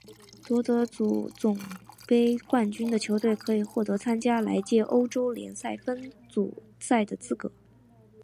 夺得足总杯冠军的球队可以获得参加来届欧洲联赛分组赛的资格。